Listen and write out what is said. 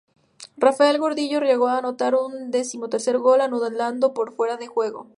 Rafael Gordillo llegó a anotar un decimotercer gol, anulado por fuera de juego.